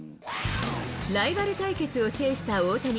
ライバル対決を制した大谷。